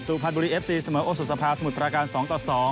พันธ์บุรีเอฟซีเสมอโอสุสภาสมุทรประการ๒ต่อ๒